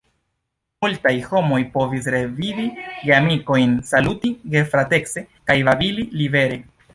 Multaj homoj povis revidi geamikojn, saluti gefratece, kaj babili libere.